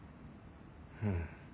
うん。